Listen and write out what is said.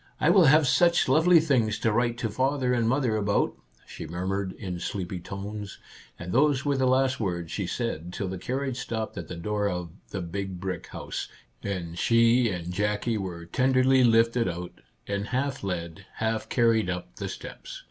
" I will have such lovely things to write to father and mother about/' she murmured, in Our Little Canadian Cousin 39 sleepy tones, — and those were the last words she said till the carriage stopped at the door of" the Big Brick House," and she and Jackie were tenderly lifted out and half led, half carried up the steps.